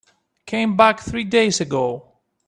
Came back three days ago.